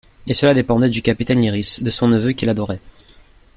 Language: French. Et cela dépendait du capitaine Lyrisse, de son neveu qu'il adorait.